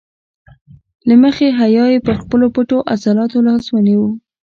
له مخې حیا یې پر خپلو پټو عضلاتو لاس ونیو.